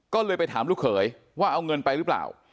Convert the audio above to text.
ก็เลยไปถามลูกเขยว่าเอาเงินไปหรือเปล่า